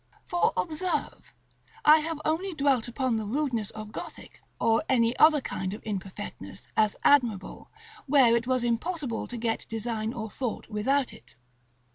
For observe, I have only dwelt upon the rudeness of Gothic, or any other kind of imperfectness, as admirable, where it was impossible to get design or thought without it.